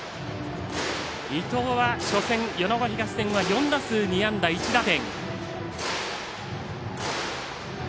伊藤は初戦、米子東戦は４打数２安打１打点。